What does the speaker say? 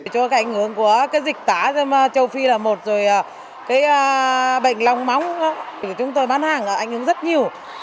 cho cảnh hướng của dịch tả châu phi là một rồi bệnh lòng móng chúng tôi bán hàng ảnh hướng rất nhiều